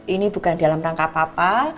ini bukan dalam rangka apa apa